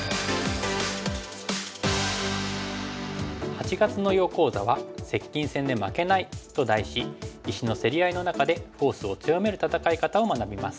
８月の囲碁講座は「接近戦で負けない」と題し石の競り合いの中でフォースを強める戦い方を学びます。